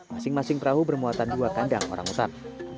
masing masing perahu bermuatan dua kandang orang hutan